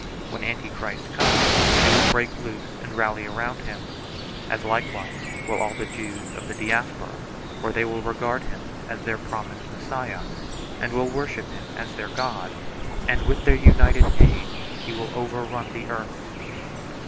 When Antichrist comes they will break loose and rally around him, as likewise will all the Jews of the Diaspora, for they will regard him as their promised Messiah and will worship him as their God, and with their united aid he will overrun the earth.